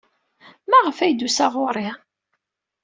Maɣef ay d-yusa ɣer-i?